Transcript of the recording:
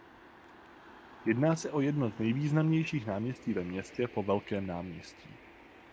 Jedná se o jedno z nejvýznamnějších náměstí ve městě po Velkém náměstí.